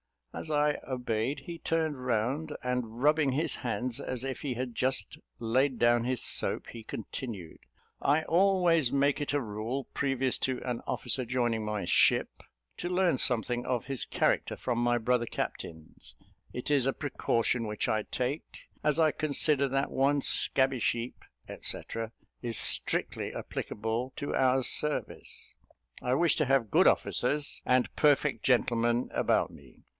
As I obeyed, he turned round, and, rubbing his hands, as if he had just laid down his soap, he continued, "I always make it a rule, previous to an officer joining my ship, to learn something of his character from my brother captains; it is a precaution which I take, as I consider that one scabby sheep, &c. is strictly applicable to our service. I wish to have good officers and perfect gentlemen about me.